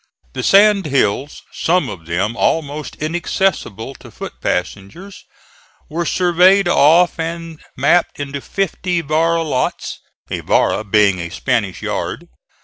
The sand hills, some of them almost inaccessible to foot passengers, were surveyed off and mapped into fifty vara lots a vara being a Spanish yard.